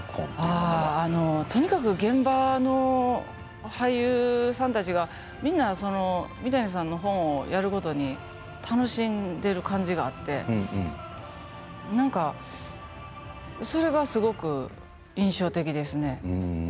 ああとにかく現場の俳優さんたちがみんな三谷さんの本をやることで楽しんでいる感じがあってなんかそれがすごく印象的ですね。